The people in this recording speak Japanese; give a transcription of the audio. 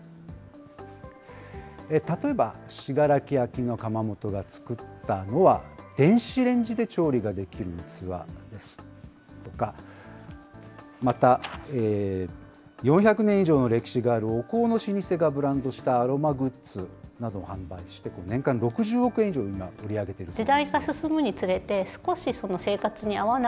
例えば信楽焼の窯元が作ったのは、電子レンジで調理ができる器ですとか、また４００年以上の歴史があるお香の老舗がブレンドしたアロマグッズなどを販売して年間６０億円以上を今、売り上げています。